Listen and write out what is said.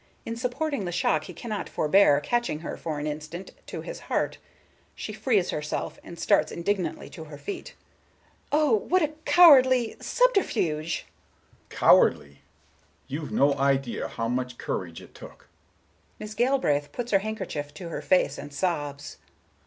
In supporting the shock he cannot forbear catching her for an instant to his heart. She frees herself, and starts indignantly to her feet. Miss Galbraith: "Oh, what a cowardly—subterfuge!" Mr. Richards: "Cowardly? You've no idea how much courage it took." Miss Galbraith puts her handkerchief to her face, and sobs.